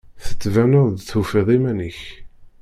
Tettbineḍ-d tufiḍ iman-ik.